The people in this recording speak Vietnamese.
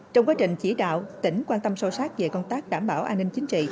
trong quá trình chỉ đạo tỉnh quan tâm sâu sát về công tác đảm bảo an ninh chính trị